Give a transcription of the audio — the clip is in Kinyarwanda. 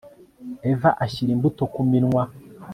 Eva ashyira imbuto ku minwa